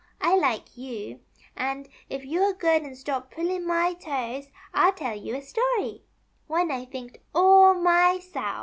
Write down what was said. I like you, and if you are good and stop pulling my toes I'll tell you a story — one I thinked all myself."